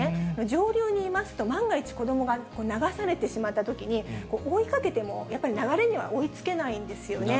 上流にいますと、万が一、子どもが流されてしまったときに、追いかけても、やっぱり流れには追いつけないんですよね。